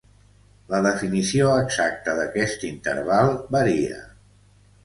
La definició exacta d'aquest interval varia.